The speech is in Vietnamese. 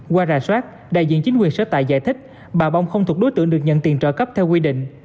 qua rà soát đại diện chính quyền sở tại giải thích bà bong không thuộc đối tượng được nhận tiền trợ cấp theo quy định